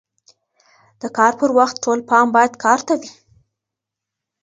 د کار پر وخت ټول پام باید کار ته وي.